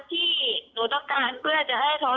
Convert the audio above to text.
ที่หนูต้องการเพื่อจะให้เขา